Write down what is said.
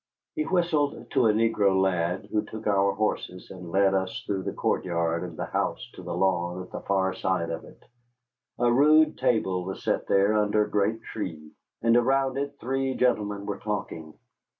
He whistled to a negro lad, who took our horses, and led us through the court yard and the house to the lawn at the far side of it. A rude table was set there under a great tree, and around it three gentlemen were talking.